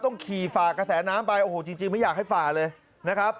ต้องขี่ฝ่ากระแสน้ำไปโอ้โหจริงไม่อยากให้ฝ่าเลยนะครับ